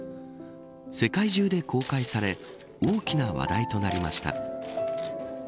世界中で公開され大きな話題となりました。